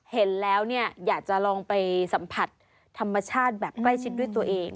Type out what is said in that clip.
เห็นแล้วเนี่ยอยากจะลองไปสัมผัสธรรมชาติแบบใกล้ชิดด้วยตัวเอง